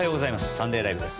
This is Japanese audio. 「サンデーＬＩＶＥ！！」です。